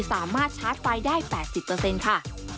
สามารถชาร์จไฟได้๘๐ค่ะ